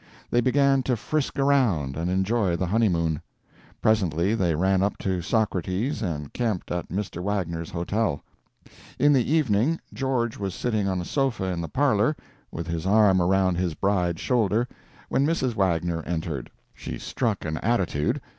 They began to frisk around and enjoy the honeymoon. Presently they ran up to Socrates and camped at Mr. Wagner's hotel. In the evening George was sitting on a sofa in the parlor, with his arm around his bride's shoulders, when Mrs. Wagner entered. She struck an attitude.